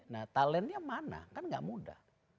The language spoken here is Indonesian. nah talentnya mana kan gak mudah